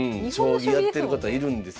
将棋やってる方いるんですよね。